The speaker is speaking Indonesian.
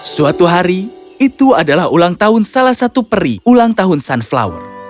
suatu hari itu adalah ulang tahun salah satu peri ulang tahun sunflower